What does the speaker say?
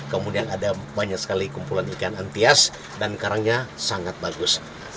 kemudian ada banyak sekali kumpulan ikan antias dan karangnya sangat bagus